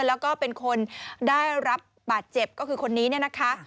แล้วก็เป็นคนได้รับบาดเจ็บก็คือคนนี้เนี่ยนะคะ